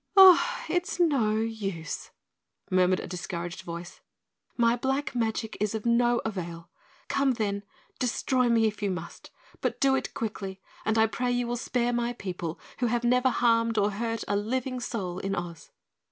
"It is no use," murmured a discouraged voice, "my black magic is of no avail. Come, then, destroy me if you must, but do it quickly, and I pray you will spare my people who have never harmed or hurt a living soul in Oz."